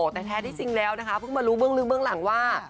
แต่แท้ที่จริงแล้วนะคะเพิ่งมารู้เบื้องลึกเบื้องหลังว่า